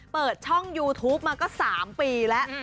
เปิดช่องยูทูปมาก็๓ปีแล้ว